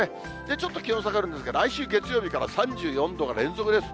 ちょっと気温下がるんですが、来週月曜日から３４度の連続です。